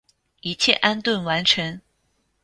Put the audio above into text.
一切安顿完成